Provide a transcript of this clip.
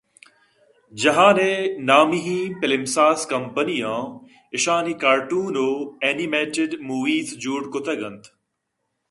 جہان ءِ نامی ئیں فلمساز کمپنیاں ایشانی کارٹون ءُ اینی مٹیڈ موویز جوڑ کتگ اَنت